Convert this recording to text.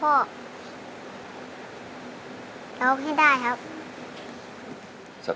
เราให้ได้ครับ